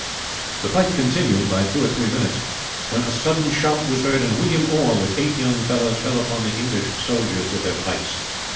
The fight continued by two or three minutes, when a sudden shout was heard, and William Orr, with eight young fellows, fell upon the English soldiers with their pikes.